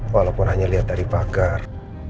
walaupun hanya lihat dari pagar